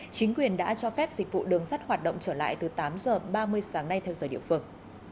chính quyền đã cho phép dịch vụ đường sắt hoạt động trở lại từ tám h ba mươi sáng nay theo giờ địa phương